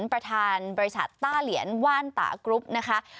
ประธานบริษัทต้าเหรียญว่านตากรุ๊ปนะคะ